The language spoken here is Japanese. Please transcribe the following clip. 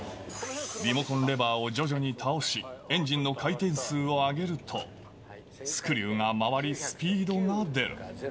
リモコンレバーを徐々に倒し、エンジンの回転数を上げると、スクリューが回り、スピードが出る。